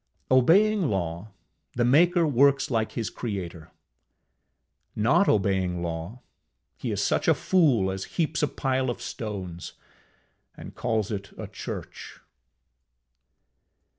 Obeying law, the maker works like his creator; not obeying law, he is such a fool as heaps a pile of stones and calls it a church.